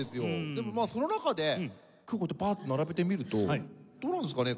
でもまあその中で今日こうやってパーッて並びで見るとどうなんですかね